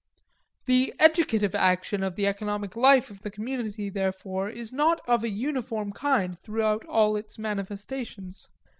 The educative action of the economic life of the community, therefore, is not of a uniform kind throughout all its manifestations.